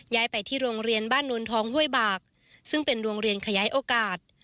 ย้ายไปที่โรงเรียนบ้านนวลทองห้วยบากซึ่งเป็นโรงเรียนขยายโอกาส